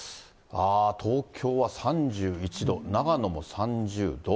東京は３１度、長野も３０度？